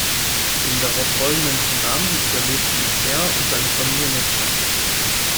Den darauffolgenden Tsunami überlebten er und seine Familie nur knapp.